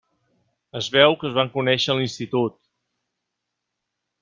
Es veu que es van conèixer a l'institut.